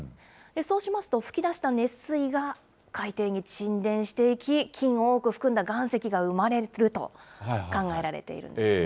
そうしますと、噴き出した熱水が海底に沈殿していき、金を多く含んだ岩石が生まれると考えられているんですね。